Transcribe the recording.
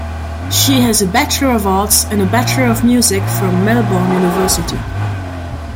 She has a Bachelor of Arts and a Bachelor of Music from Melbourne University.